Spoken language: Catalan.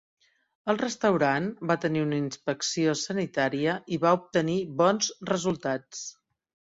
El restaurant va tenir una inspecció sanitària i va obtenir bons resultats.